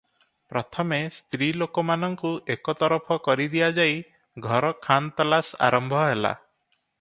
ପ୍ରଥମେ ସ୍ତ୍ରୀ ଲୋକମାନଙ୍କୁ ଏକ ତରଫ କରିଦିଆଯାଇ ଘର ଖାନତଲାସ ଆରମ୍ଭ ହେଲା ।